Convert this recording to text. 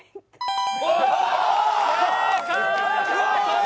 正解！